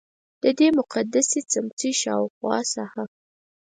ددې مقدسې څمڅې شاوخوا ساحه.